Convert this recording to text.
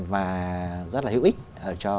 và rất là hữu ích cho